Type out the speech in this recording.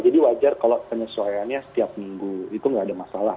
jadi wajar kalau penyesuaiannya setiap minggu itu nggak ada masalah